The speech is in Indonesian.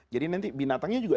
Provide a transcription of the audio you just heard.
jadi nanti binatangnya juga